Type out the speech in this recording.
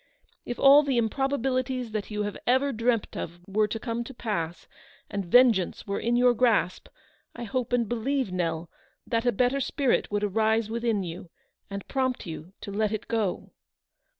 If all the im probabilities that you have ever dreamt of were to come to pass, and vengeance were in your grasp, I hope and believe, Nell, that a better spirit would arise within you, and prompt you to let it go."